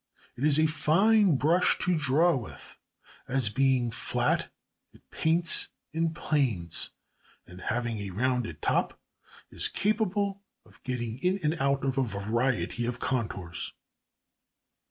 It is a fine brush to draw with, as being flat it paints in planes, and having a rounded top is capable of getting in and out of a variety of contours.